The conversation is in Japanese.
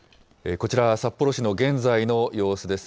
こちらは札幌市の現在の様子です。